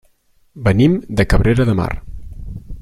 Venim de Cabrera de Mar.